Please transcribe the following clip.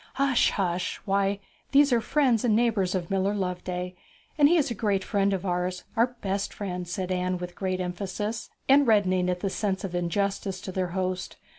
'Hush, hush! Why, these are friends and neighbours of Miller Loveday, and he is a great friend of ours our best friend,' said Anne with great emphasis, and reddening at the sense of injustice to their host.